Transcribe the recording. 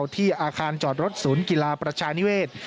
ที่อาคารจอดรถศูนย์กีฬาประชานิเวศ